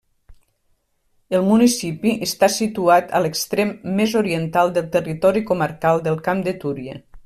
El municipi està situat en l'extrem més oriental del territori comarcal del Camp de Túria.